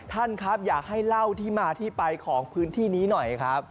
ท่านครับอยากให้เล่าที่มาที่ไปของพื้นที่นี้หน่อยครับ